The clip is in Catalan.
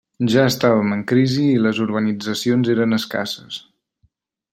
Ja estàvem en crisi i les urbanitzacions eren escasses.